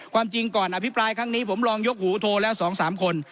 ความจริงก่อนอภิปรายครั้งนี้ผมลองยกหูโทรแล้ว๒๓คน